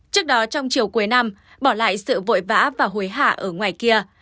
trước đó trong chiều cuối năm bỏ lại sự vội vã và hối hạ ở ngoài kia